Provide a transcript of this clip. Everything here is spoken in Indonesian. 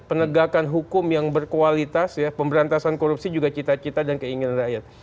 penegakan hukum yang berkualitas ya pemberantasan korupsi juga cita cita dan keinginan rakyat